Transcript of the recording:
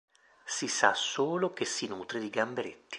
Si sa solo che si nutre di gamberetti.